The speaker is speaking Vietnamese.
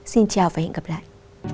xin chào và hẹn gặp lại